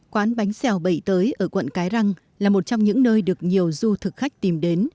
quán bánh xèo bảy tới ở quận cái răng là một trong những nơi được nhiều du thực khách tìm đến